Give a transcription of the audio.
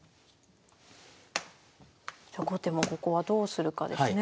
じゃあ後手もここはどうするかですね。